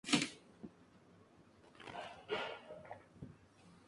Mientras está allí, Hogarth muestra los cómics gigantes de las aventuras de Superman.